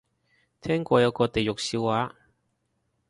聽過有個地獄笑話